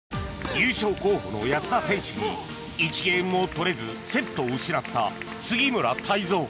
優勝候補の安田選手に１ゲームも取れずセットを失った杉村太蔵。